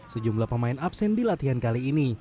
sejumlah pemain absen di latihan kali ini